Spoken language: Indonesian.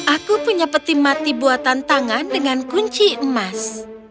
aku punya peti mati buatan tangan dengan kunci emas